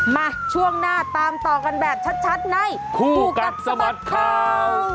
มาช่วงหน้าตามต่อกันแบบชัดในคู่กัดสะบัดข่าว